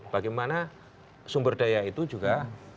bagaimana sumber daya itu juga